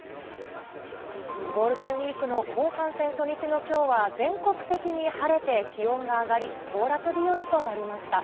ゴールデンウィークの後半戦初日のきょうは、全国的に晴れて、気温が上がり、行楽日和となりました。